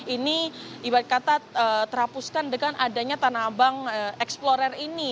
ini ibarat kata terhapuskan dengan adanya tanah abang explorer ini